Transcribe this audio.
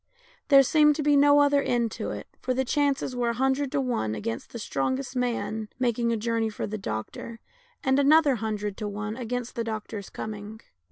There seemed no other end to it, for the chances were a hun dred to one against the strongest man making a jour ney for the doctor, and another hundred to one against the doctor's coming.